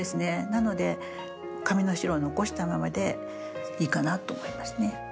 なので紙の白を残したままでいいかなと思いますね。